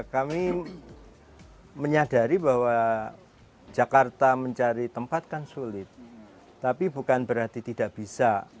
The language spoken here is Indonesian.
kami menyadari bahwa jakarta mencari tempat kan sulit tapi bukan berarti tidak bisa